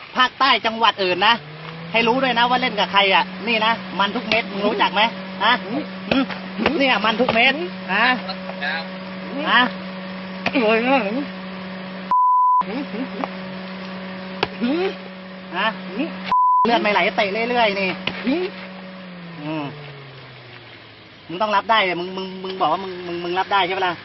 ภาคใต้จังหวัดอื่นนะให้รู้ด้วยนะว่าเล่นกับใครอะนี่นะมันทุกเม็ดมึงรู้จักไหมอ่ะอืมนี่อะมันทุกเม็ดอ่าอ่า